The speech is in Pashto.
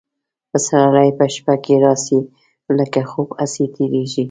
پسرلي په شپه کي راسي لکه خوب هسي تیریږي